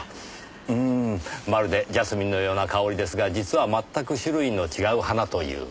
うーんまるでジャスミンのような香りですが実は全く種類の違う花という。